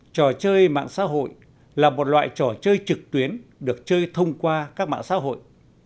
trò chơi mạng xã hội là một loại trò chơi trực tuyến được chơi thông qua các mạng xã hội